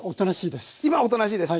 今おとなしいです。